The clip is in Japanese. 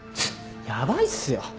ヤバいっすよ。